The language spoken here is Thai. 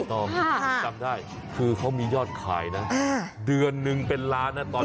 น่าจำได้คือเขามียอดขายนะเดือนหนึ่งเป็นร้านนะ